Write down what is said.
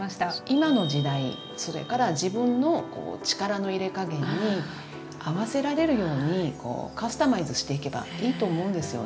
今の時代それから自分の力の入れ加減に合わせられるようにカスタマイズしていけばいいと思うんですよね。